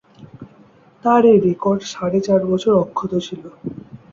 তার এ রেকর্ড সাড়ে চার বছর অক্ষত ছিল।